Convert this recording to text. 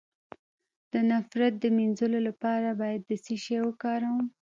د نفرت د مینځلو لپاره باید څه شی وکاروم؟